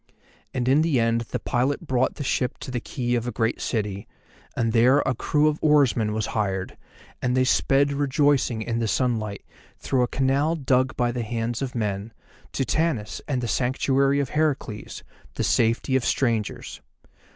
And in the end the pilot brought the ship to the quay of a great city, and there a crew of oarsmen was hired, and they sped rejoicing in the sunlight, through a canal dug by the hands of men, to Tanis and the Sanctuary of Heracles, the Safety of Strangers.